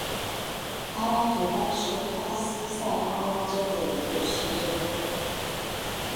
阿拉图巴是巴西塞阿拉州的一个市镇。